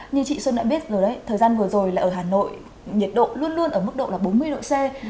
như chị xuân đã biết rồi đấy thời gian vừa rồi là ở hà nội nhiệt độ luôn luôn ở mức độ là bốn mươi độ c